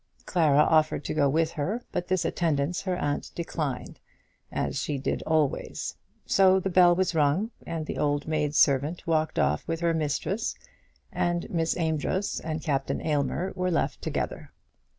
Clara offered to go with her, but this attendance her aunt declined, as she did always. So the bell was rung, and the old maid servant walked off with her mistress, and Miss Amedroz and Captain Aylmer were left together.